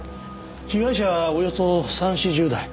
被害者はおよそ３０４０代。